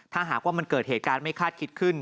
ถ้าหากว่ามันเกิดเหตุการณ์ไม่คาดคิดขึ้น